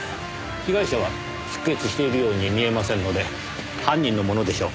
被害者は出血しているように見えませんので犯人のものでしょう。